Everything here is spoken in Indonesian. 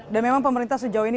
dan memang pemerintah sejauh ini